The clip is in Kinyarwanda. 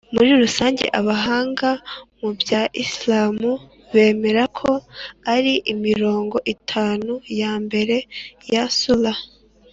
muri rusange abahanga mu bya isilamu bemera ko ari imirongo itanu ya mbere ya sura